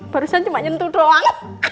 barusan cuma nyentuh doang